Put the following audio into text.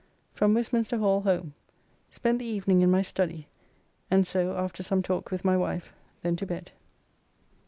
From Westminster Hall home. Spent the evening in my study, and so after some talk with my wife, then to bed.